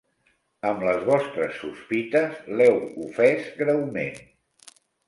Amb les vostres sospites l'heu ofès greument.